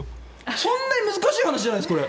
そんなに難しい話じゃないです。